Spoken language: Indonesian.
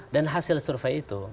dan hasil survei itu